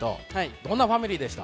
どんなファミリーでした？